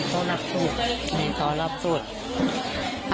เห้อขอรับสูท